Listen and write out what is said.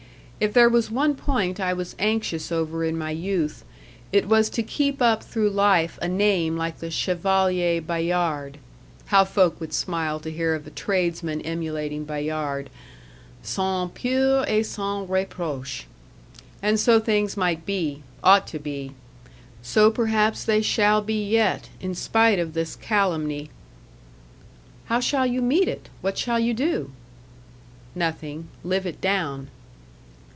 If there was one point I was anxious over in my youth, it was to keep up through life a name like the Chevalier Bayard how folk would smile to hear of a tradesman emulating Bayard 'sans peur et sans reproche!' And so things might be ought to be. So perhaps they shall be yet, in spite of this calumny." "How shall you meet it? What shall you do?" "Nothing. Live it down."